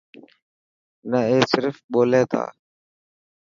نه اي صرف ٻولي تا.